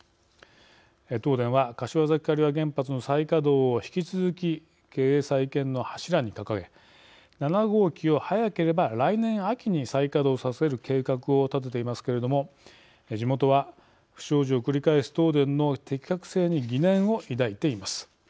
東電は、柏崎刈羽原発の再稼働を引き続き経営再建の柱に掲げ７号機を早ければ来年秋に再稼働させる計画を立てていますけれども地元は、不祥事を繰り返す東電の適格性に疑念を抱いています。